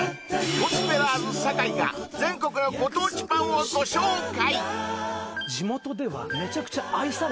ゴスペラーズ・酒井が全国のご当地パンをご紹介！